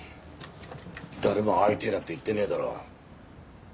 誰も会いてぇなんて言ってねえだろ。